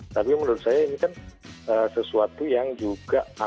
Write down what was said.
tapi menurut saya ini kan sesuatu yang juga